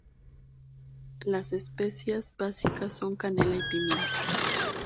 Las especias básicas son canela y pimienta.